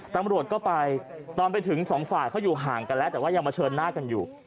ตำรวจก็ไปตอนไปถึงสองฝ่ายเขาอยู่ห่างกันแล้วแต่ว่ายังเผชิญหน้ากันอยู่